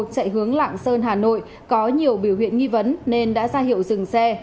chạy hướng lạng sơn hà nội có nhiều biểu hiện nghi vấn nên đã ra hiệu dừng xe